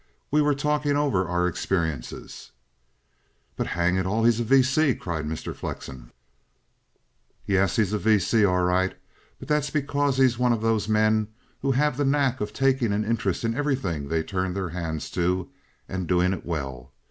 We were talking over our experiences." "But, hang it all! he's a V. C.!" cried Mr. Flexen. "Yes, he's a V. C. all right. But that's because he's one of those men who have the knack of taking an interest in everything they turn their hands to, and doing it well.